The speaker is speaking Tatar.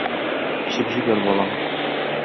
Эчеп җибәр, балам.